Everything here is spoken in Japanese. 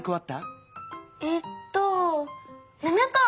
えっと７こ！